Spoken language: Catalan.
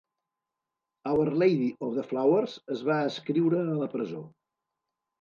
Our Lady of the Flowers es va escriure a la presó.